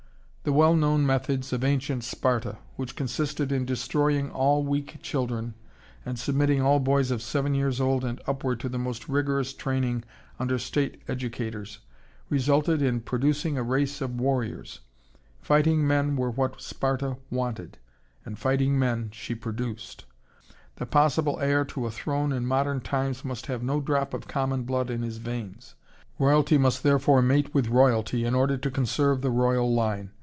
The well known methods of ancient Sparta, which consisted in destroying all weak children and submitting all boys of seven years old and upward to the most rigorous training under state educators, resulted in producing a race of warriors. Fighting men were what Sparta wanted, and fighting men she produced. The possible heir to a throne in modern times must have no drop of common blood in his veins. Royalty must therefore mate with royalty in order to conserve the royal line.